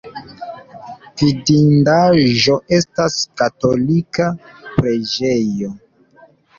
Vidindaĵo estas katolika preĝejo.